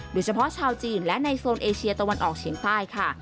โดยเฉพาะชาวจีนและในโซนเอเชียตะวันออกเฉียงใต้ค่ะ